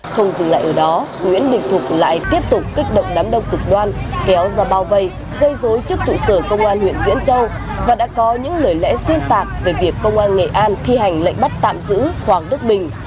không dừng lại ở đó nguyễn đình thục lại tiếp tục kích động đám đông cực đoan kéo ra bao vây gây dối trước trụ sở công an huyện diễn châu và đã có những lời lẽ xuyên tạc về việc công an nghệ an thi hành lệnh bắt tạm giữ hoàng đức bình